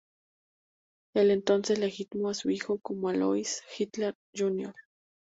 Él entonces legitimó a su hijo como Alois Hitler, Jr.